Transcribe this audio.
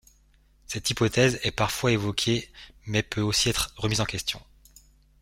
Cette hypothèse est parfois évoquée mais peut aussi être remise en question.